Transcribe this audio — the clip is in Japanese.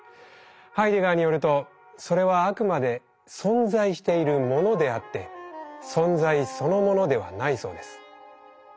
ハイデガーによるとそれはあくまで「存在しているもの」であって「存在」そのものではないそうです。